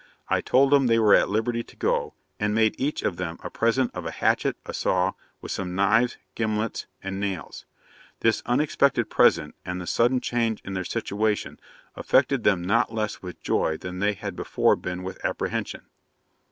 I told them they were at liberty to go, and made each of them a present of a hatchet, a saw, with some knives, gimlets, and nails. This unexpected present, and the sudden change in their situation, affected them not less with joy than they had before been with apprehension.